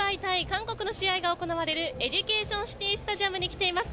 韓国の試合が行われるエデュケーションシティースタジアムに来ています。